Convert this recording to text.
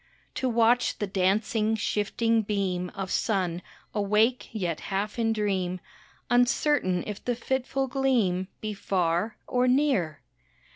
To watch the dancing, shifting beam Of sun, awake yet half in dream, Uncertain if the fitful gleam Be far or near.